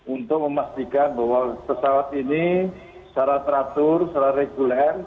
untuk memastikan bahwa pesawat ini secara teratur secara reguler